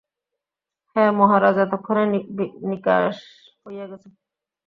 হাঁ, মহারাজ, এতক্ষণে নিকাশ হইয়া গেছে।